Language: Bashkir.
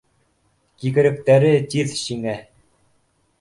Кикректәре тиҙ шиңә